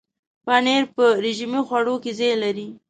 پنېر په رژیمي خواړو کې ځای لري.